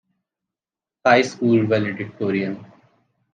High School Valedictorian.